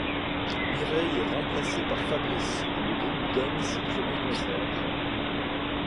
Mireille est remplacée par Fabrice, et le groupe donne ses premiers concerts.